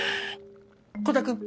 コタくん。